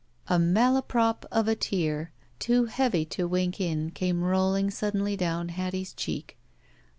A malaprop of a tear, too heavy to wink in, came rolling suddenly down Hattie's cheek.